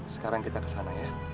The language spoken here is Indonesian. sekarang kita kesana ya